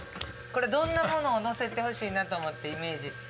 これどんなものをのせてほしいなと思って、イメージ。